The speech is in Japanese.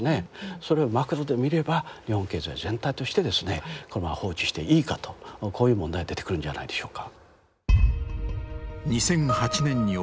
それをマクロで見れば日本経済全体としてですねこのまま放置していいかとこういう問題が出てくるんじゃないでしょうか。